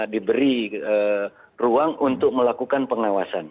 diberi ruang untuk melakukan pengawasan